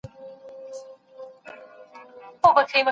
د خپل کورني ژوند د رازونو ساتل فرض دي.